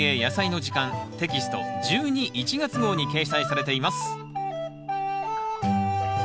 テキスト１２・１月号に掲載されています